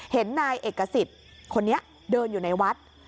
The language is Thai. เห็นนายเอกสิทธิ์คนนี้เดินอยู่ในวัด